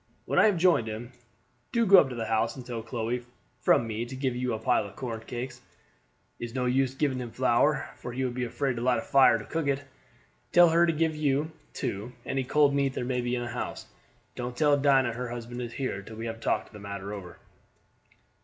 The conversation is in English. When I have joined him, do you go up to the house and tell Chloe from me to give you a pile of corn cake it's no use giving him flour, for he would be afraid to light a fire to cook it. Tell her to give you, too, any cold meat there may be in the house. Don't tell Dinah her husband is here till we have talked the matter over."